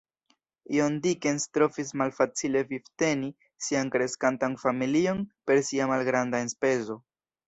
John Dickens trovis malfacile vivteni sian kreskantan familion per sia malgranda enspezo.